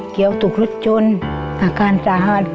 เกี๋ยวถูกรุดชนอาการสาธารณ์